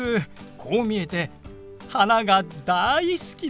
こう見えて花が大好きで。